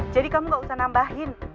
jadi kamu gak usah nambahin